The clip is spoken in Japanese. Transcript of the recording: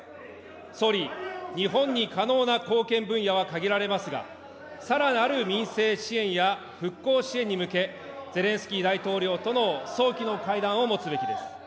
総理、日本に可能な貢献分野は限られますが、さらなる民生支援や復興支援に向け、ゼレンスキー大統領との早期の会談を持つべきです。